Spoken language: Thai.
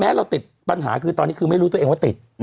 เราติดปัญหาคือตอนนี้คือไม่รู้ตัวเองว่าติด